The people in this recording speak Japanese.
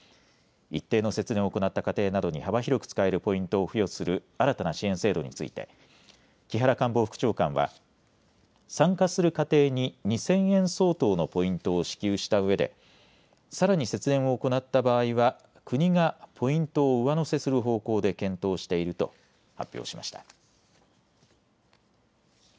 一定の節電を行った家庭などに幅広く使えるポイントを付与する新たな支援制度について木原官房副長官は参加する家庭に２０００円相当のポイントを支給したうえでさらに節電を行った場合は国がポイントを上乗せする方向で検討していると発表しました。